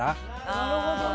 なるほどね。